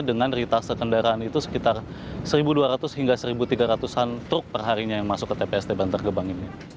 dengan ritase kendaraan itu sekitar satu dua ratus hingga satu tiga ratus an truk perharinya yang masuk ke tpst bantar gebang ini